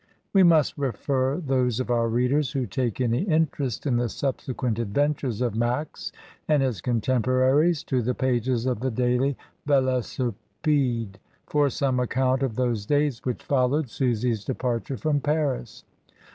We must refer those of our readers who take any interest in the subsequent adventures of Max and his contemporaries to the pages of the Daily Velocipede for some account of those days which followed Susy's departure from Paris.